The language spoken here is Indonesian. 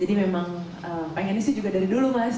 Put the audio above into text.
jadi memang pengen isi juga dari dulu mas